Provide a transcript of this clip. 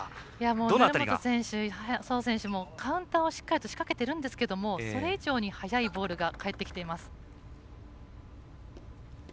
成本選手、宋選手カウンターをしっかり仕掛けているんですけどそれ以上に速いボールが返ってきています。